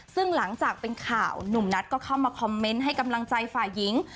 ซึ่งหลังจากเป็นข่าวหนุ่มนัทก็เข้ามาคอมเมนต์ให้กำลังใจฝ่ายหญิง